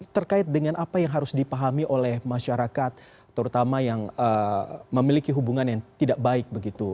terkait dengan apa yang harus dipahami oleh masyarakat terutama yang memiliki hubungan yang tidak baik begitu